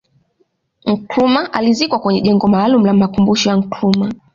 Nkrumah alizikwa kwenye jengo maalumu la makumbusho ya Nkrumah